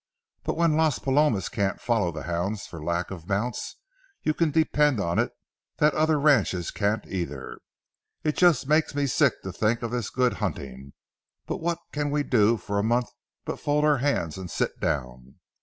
But when Las Palomas can't follow the hounds for lack of mounts, you can depend on it that other ranches can't either. It just makes me sick to think of this good hunting, but what can we do for a month but fold our hands and sit down?